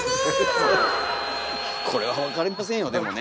これは分かりませんよでもね。